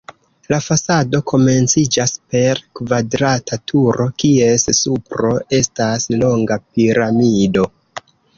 La fasado komenciĝas per kvadrata turo, kies supro estas longa piramido.